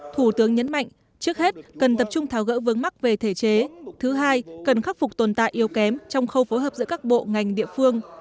thủ tướng nhấn mạnh trước hết cần tập trung tháo gỡ vướng mắc về thể chế thứ hai cần khắc phục tồn tại yếu kém trong khâu phối hợp giữa các bộ ngành địa phương